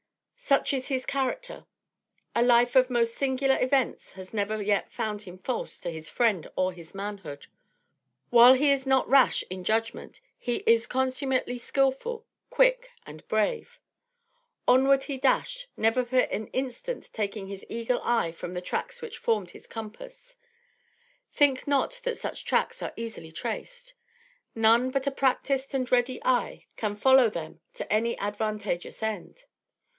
Such is his character. A life of most singular events has never yet found him false to his friend or his manhood. While he is not rash in judgment, he is consummately skillful, quick and brave. Onward he dashed, never for an instant taking his eagle eye from the tracks which formed his compass. Think not that such tracks are easily traced. None but a practised and ready eye can follow them to any advantageous end.